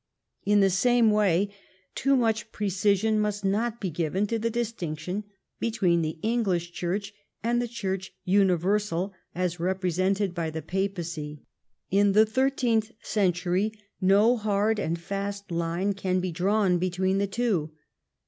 In the same way too much precision must not be given to the distinction between the English Church and the Church universal as represented by the papacy. In the thirteenth century no hard and fast line can be drawn between the two.